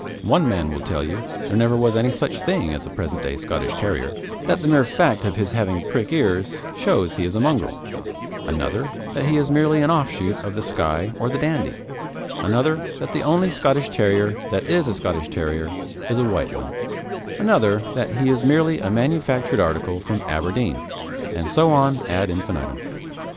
One man will tell you there never was any such thing as the present day Scottish Terrier, that the mere fact of his having prick ears shows he is a mongrel; another, that he is merely an offshoot of the Skye or the Dandie; another, that the only Scottish Terrier that is a Scottish Terrier is a white one; another, that he is merely a manufactured article from Aberdeen, and so on ad infinitum.